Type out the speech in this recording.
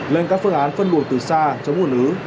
lên các phương án phân luồng từ xa chống nguồn ứ